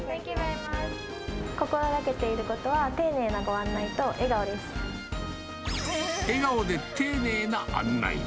心がけていることは、丁寧な笑顔で丁寧な案内を。